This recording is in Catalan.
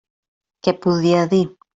Què podia dir?